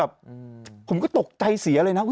ผมก็ตกใจเสียเลยนะ